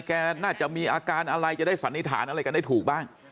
น่าจะมีอาการอะไรจะได้สันนิษฐานอะไรกันได้ถูกบ้าง